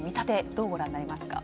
どうご覧になりますか。